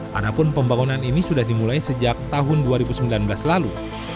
padahal pembangunan ini sudah dimulai sejak tahun dua ribu sembilan belas lalu